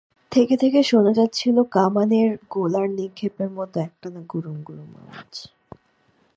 থেকে থেকে শোনা যাচ্ছিল কামানের গোলার নিক্ষেপের মতো একটানা গুড়ুম গুড়ুম আওয়াজ।